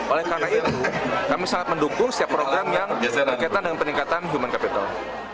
oleh karena itu kami sangat mendukung setiap program yang berkaitan dengan peningkatan human capital